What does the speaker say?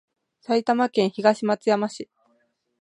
埼玉県東松山市